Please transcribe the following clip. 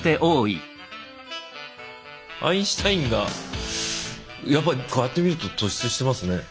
アインシュタインがやっぱりこうやって見ると突出してますね。